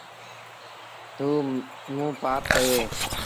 هئو موݩ پآپ ڪيو اهي۔